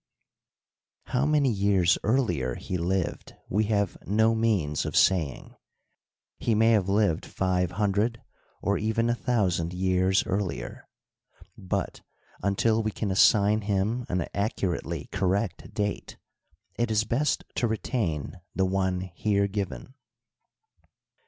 How ftiany years earlier he lived we have no means of saying ; he may have lived five hundred or even a thousand years earlier ; but, until we can assign him an accurately correct date, it is best to retain the one here given.